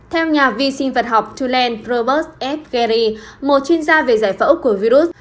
theo nhà vi sinh vật học tulane provost f gehry một chuyên gia về giải phẫu của virus